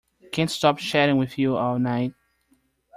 Can't stop chatting with you all night.